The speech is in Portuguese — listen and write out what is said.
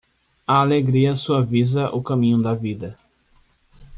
A alegria suaviza o caminho da vida.